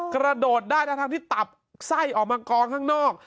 กระโดดได้ทั้งที่ตับไส้ออกมากองข้างนอก